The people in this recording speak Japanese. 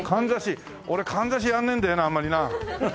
俺かんざしやんないんだよなあんまりな。